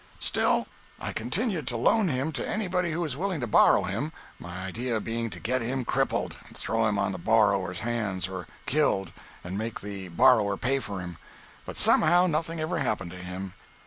Still, I continued to loan him to anybody who was willing to borrow him, my idea being to get him crippled, and throw him on the borrower's hands, or killed, and make the borrower pay for him. But somehow nothing ever happened to him.